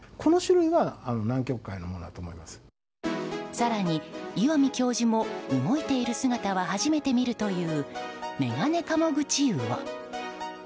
更に、岩見教授も動いている姿は初めて見るというメガネカモグチウオ。